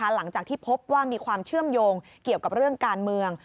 หลังจากที่พบว่ามีความเชื่อมโยงเกี่ยวกับเรื่องการเมือง